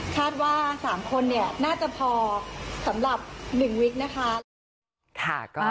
คาดว่า๓คนเนี่ยน่าจะพอสำหรับ๑วิกนะคะ